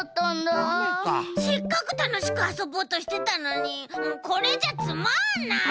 せっかくたのしくあそぼうとしてたのにもうこれじゃつまんない！